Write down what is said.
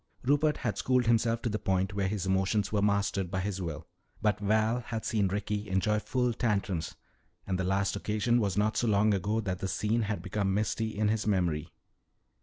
Rupert had schooled himself to the point where his emotions were mastered by his will. But Val had seen Ricky enjoy full tantrums, and the last occasion was not so long ago that the scene had become misty in his memory.